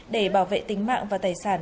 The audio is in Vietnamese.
để bảo vệ tính mạng và tài sản